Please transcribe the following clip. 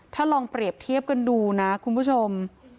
ถ้าลองเปรียบเทียบกันดูนะคุณผู้ชม